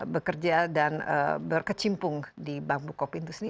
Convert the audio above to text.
bekerja dan berkecimpung di bank bukopin itu sendiri